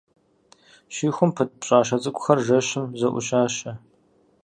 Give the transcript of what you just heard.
Щихум пыт пщӏащэ цӏыкӏухэр жэщым зоӏущащэ.